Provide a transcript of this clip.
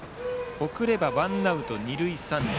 送ればワンアウト、二塁三塁。